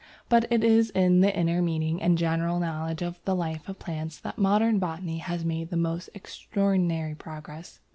But it is in the inner meaning and general knowledge of the life of plants that modern botany has made the most extraordinary progress.